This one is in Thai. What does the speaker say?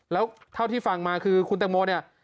แล้วเท่าที่ฟังมาคือคุณแตงโมเนี่ย